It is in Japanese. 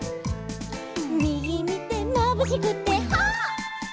「みぎみてまぶしくてはっ」